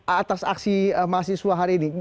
atas aksi mahasiswa